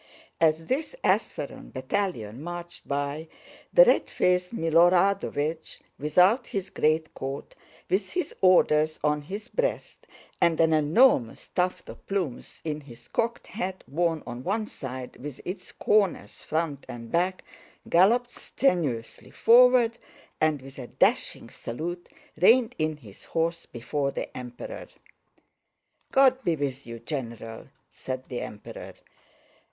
As this Ápsheron battalion marched by, the red faced Milorádovich, without his greatcoat, with his Orders on his breast and an enormous tuft of plumes in his cocked hat worn on one side with its corners front and back, galloped strenuously forward, and with a dashing salute reined in his horse before the Emperor. "God be with you, general!" said the Emperor.